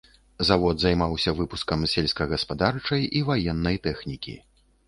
Завод займаўся выпускам сельскагаспадарчай і ваеннай тэхнікі.